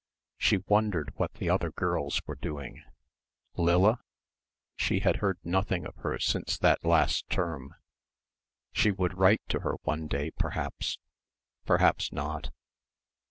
She wondered what the other girls were doing Lilla? She had heard nothing of her since that last term. She would write to her one day, perhaps. Perhaps not....